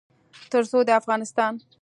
تر څو د افغانستان